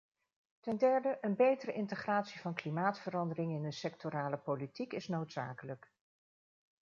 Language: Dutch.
Ten derde, een betere integratie van klimaatverandering in de sectorale politiek is noodzakelijk.